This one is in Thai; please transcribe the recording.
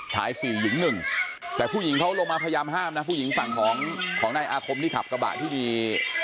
ชายสี่หญิงหนึ่งแต่ผู้หญิงเขาลงมาพยายามห้ามนะผู้หญิงฝั่งของของนายอาคมที่ขับกระบะที่มี